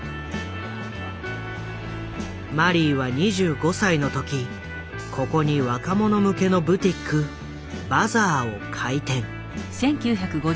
マリーは２５歳の時ここに若者向けのブティック「バザー」を開店。